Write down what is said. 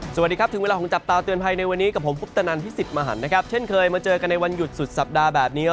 สวัสดีครับถึงเวลาของจับตาเตือนภัยในวันนี้กับผมพุทธนันพิสิทธิ์มหันนะครับเช่นเคยมาเจอกันในวันหยุดสุดสัปดาห์แบบนี้